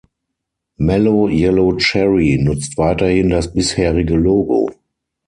Mello Yello Cherry nutzt weiterhin das bisherige Logo.